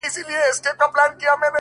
په شاهدۍ به نور هیڅکله آسمان و نه نیسم ـ